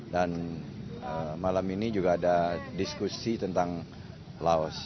malam ini juga ada diskusi tentang laos